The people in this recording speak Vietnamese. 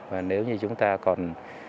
và nếu như chúng ta còn